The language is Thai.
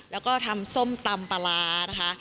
แล้วก็ทำส้มตำปลาร้านะคะ